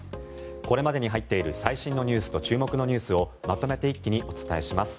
これまでに入っている最新ニュースと注目ニュースをまとめて一気にお伝えします。